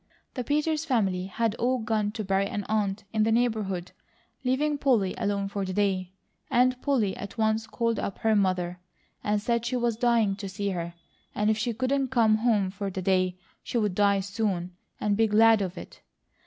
The Peters family had all gone to bury an aunt in the neighbourhood, leaving Polly alone for the day; and Polly at once called up her mother, and said she was dying to see her, and if she couldn't come home for the day, she would die soon, and be glad of it.